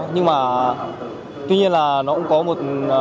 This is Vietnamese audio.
nhưng mà tuy nhiên là nó cũng có một